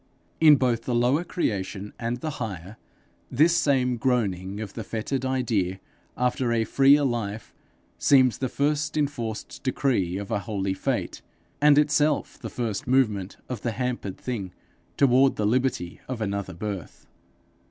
In both the lower creation and the higher, this same groaning of the fettered idea after a freer life, seems the first enforced decree of a holy fate, and itself the first movement of the hampered thing toward the liberty of another birth.